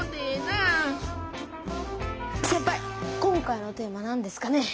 今回のテーマはなんですかね。